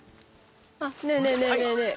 あっねえねえねえねえねえ。